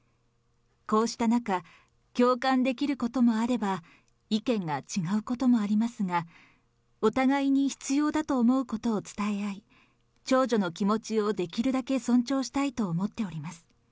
こうした中、共感できることもあれば、意見が違うこともありますが、お互いに必要だと思うことを伝え合い、長女の気持ちをできるだけ尊重したいと思っております。